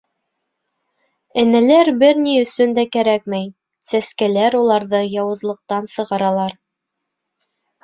Энәләр бер ни өсөн дә кәрәкмәй, сәскәләр уларҙы яуызлыҡтан сығаралар.